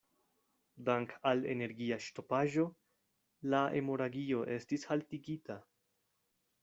Dank' al energia ŝtopaĵo la hemoragio estis haltigita.